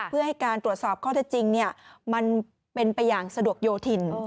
เพื่อให้การตรวจสอบข้อเท็จจริงมันเป็นไปอย่างสะดวกโยธิน